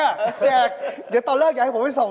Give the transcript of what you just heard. เดี๋ยวตอนเลิกอย่าให้ผมไปที่ส่ง